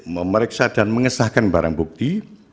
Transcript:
memeriksa dan mengesahkan barang bukti